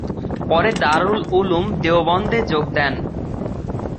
পরে দারুল উলুম দেওবন্দে যোগ দেন।